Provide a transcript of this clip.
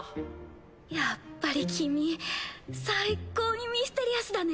やっぱり君最高にミステリアスだね。